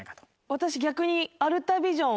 私逆に。